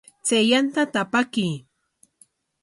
Chay yantata apakuy.